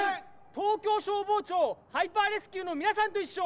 東京消防庁ハイパーレスキューのみなさんといっしょ。